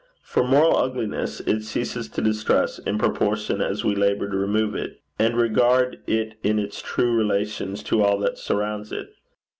For moral ugliness, it ceases to distress in proportion as we labour to remove it, and regard it in its true relations to all that surrounds it.